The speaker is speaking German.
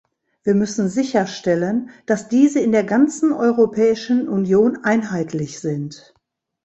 Wir müssen sicherstellen, dass diese in der ganzen Europäischen Union einheitlich sind.